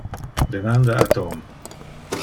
Demanda a Tom.